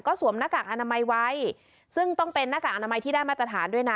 สวมหน้ากากอนามัยไว้ซึ่งต้องเป็นหน้ากากอนามัยที่ได้มาตรฐานด้วยนะ